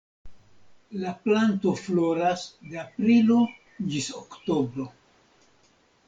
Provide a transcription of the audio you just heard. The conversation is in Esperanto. La planto floras de aprilo ĝis oktobro.